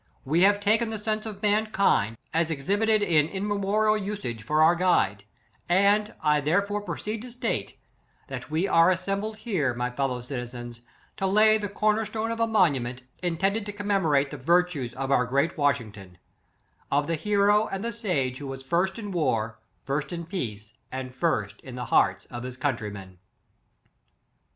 We have taken the sense of mankind, as exhibited in immemorial usage for our guide; and^ I therefore proceed to state, that we are assembled here, my fellow citizens, to lay the corner stone of a monument, intend ed to commemorate the virtues of our great Washington; of the hero and the sage who was ' first in war, first in peace, and first in the hearts of his countrymen.'